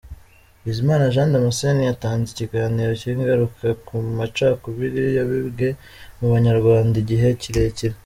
Bizimana Jean Damascène yatanze ikiganiro kigaruka ku macakubiri yabibwe mu banyarwanda igihe kirekire.